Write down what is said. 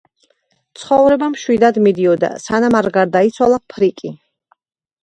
ცხოვრება მშვიდად მიდიოდა, სანამ არ გარდაიცვალა ფრიკი.